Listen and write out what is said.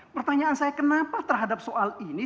pertanyaan saya kenapa terhadap soal ini